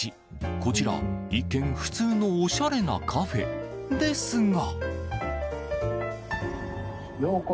こちら一見、普通のおしゃれなカフェですが。